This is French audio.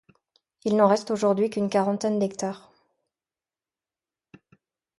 Il n'en reste aujourd'hui qu'une quarantaine d'hectares.